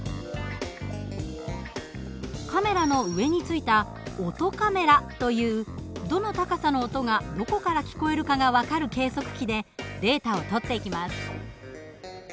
カメラの上に付いた音カメラというどの高さの音がどこから聞こえるかが分かる計測器でデータを取っていきます。